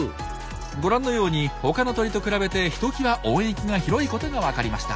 ご覧のようにほかの鳥と比べてひときわ音域が広いことが分かりました。